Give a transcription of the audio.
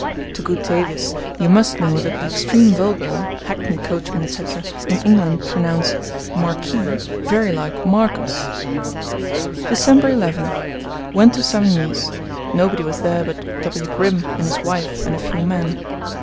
To gouter this, you must know that the extreme vulgar (hackney coachmen, etc.) in England pronounce 'marquis' very like 'Marcus.' Dec, 11th. Went to Savigny's. Nobody was there but W. Grimm and his wife and a few men.